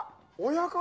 親方？